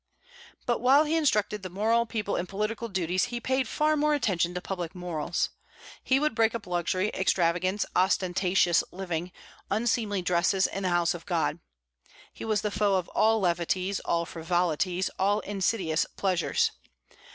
But while he instructed the people in political duties, he paid far more attention to public morals. He would break up luxury, extravagance, ostentatious living, unseemly dresses in the house of God. He was the foe of all levities, all frivolities, all insidious pleasures.